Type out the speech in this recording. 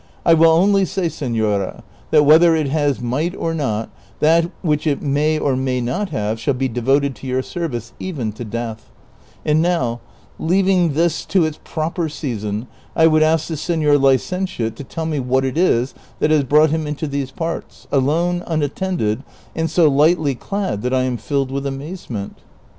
I will only say, senora, that whether it has might or not, that which it may or may not have shall be devoted to your service even to death ; and now, leaving this to its proper season, I would ask the senor licentiate to tell me what it is that has brought him into these parts, alone, unattended, and so lightly clad that I am filled Avith amazement."